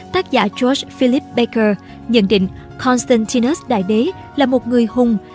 tác giả george philip baker nhận định constantine đại đế là một người hùng